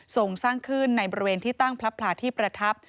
ส่งสร้างขึ้นในบริเวณที่ตั้งพระพลาที่ประทับ